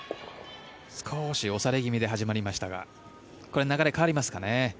少し押され気味で始まりましたがこれ、流れ変わりますかね？